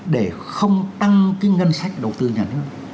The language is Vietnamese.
để không tăng cái ngân sách đầu tư nhà nước